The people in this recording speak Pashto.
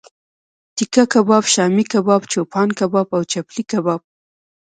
تیکه کباب، شامی کباب، چوپان کباب او چپلی کباب